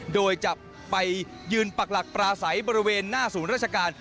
โดยจะไปยืนปักหลักปราศัยบริเวณหน้าศูนย์ราชการ